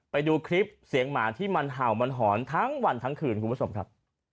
ไปดูคลิปเสียงหมาที่มันเห่ามันหอนทั้งวันทั้งคืนคุณผู้ชมครับ